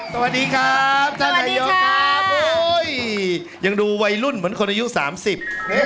สวัสดีครับท่านนายกครับโอ้ยยังดูวัยรุ่นเหมือนคนอายุสามสิบ